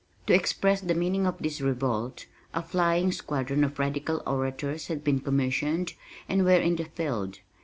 To express the meaning of this revolt a flying squadron of radical orators had been commissioned and were in the field.